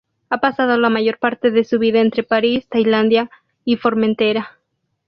Ha pasado la mayor parte de su vida entre París, Tailandia y Formentera.